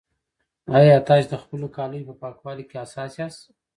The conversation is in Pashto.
ایا تاسي د خپلو کالیو په پاکوالي کې حساس یاست؟